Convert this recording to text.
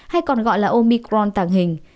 hay còn gọi là omicron tăng hình